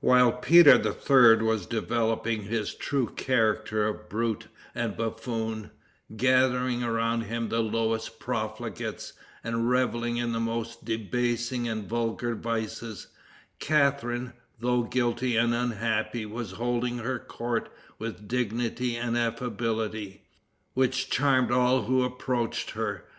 While Peter III. was developing his true character of brute and buffoon, gathering around him the lowest profligates, and reveling in the most debasing and vulgar vices, Catharine, though guilty and unhappy, was holding her court with dignity and affability, which charmed all who approached her.